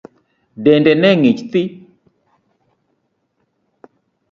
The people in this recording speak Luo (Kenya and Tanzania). Dende ne ng'ich thii.